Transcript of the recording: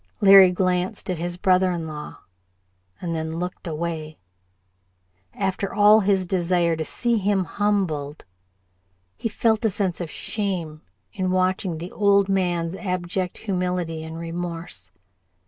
Larry glanced at his brother in law and then looked away. After all his desire to see him humbled, he felt a sense of shame in watching the old man's abject humility and remorse.